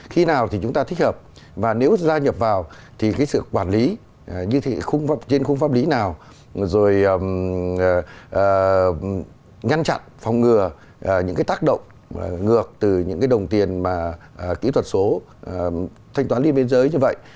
khi nào thì chúng ta thích hợp và nếu gia nhập vào thì cái sự quản lý trên khung pháp lý nào rồi ngăn chặn phòng ngừa những cái tác động ngược từ những cái đồng tiền mà kỹ thuật số thanh toán liên viên giới như vậy